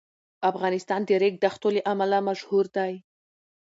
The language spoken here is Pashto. افغانستان د ریګ دښتو له امله مشهور دی.